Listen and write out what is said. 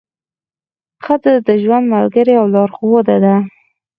ښځه د ژوند ملګرې او لارښوده ده.